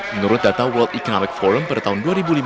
menurut data world economic forum pada tahun dua ribu lima belas